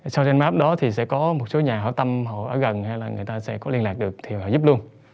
southern map đó thì sẽ có một số nhà hỏi tâm họ ở gần hay là người ta sẽ có liên lạc được thì họ giúp luôn